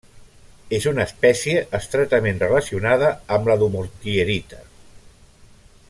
És una espècie estretament relacionada amb la dumortierita.